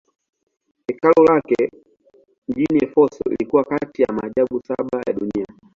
Hekalu lake mjini Efeso lilikuwa kati ya maajabu saba ya dunia.